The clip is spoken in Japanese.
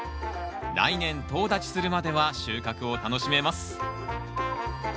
来年とう立ちするまでは収穫を楽しめます。